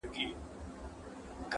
مړونه مري، نومونه ئې پاتېږي.